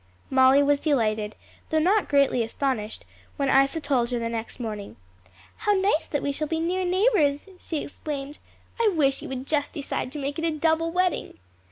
Molly was delighted, though not greatly astonished, when Isa told her the next morning. "How nice that we shall be near neighbors," she exclaimed. "I wish you would just decide to make it a double wedding."